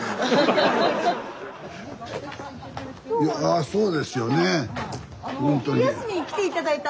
あそうですよね。